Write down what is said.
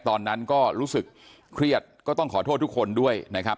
ตอนนั้นก็รู้สึกเครียดก็ต้องขอโทษทุกคนด้วยนะครับ